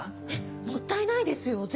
えっもったいないですよ！